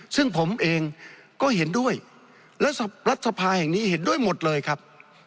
ซึ่งผมเองก็เห็นด้วยและรัฐสภาแห่งนี้เห็นด้วยหมดเลยครับ